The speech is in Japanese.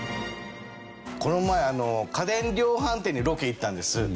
この前家電量販店にロケ行ったんです。